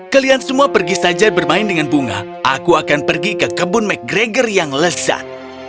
kalian semua pergi saja bermain dengan bunga aku akan pergi ke kebun mcgregor yang lezat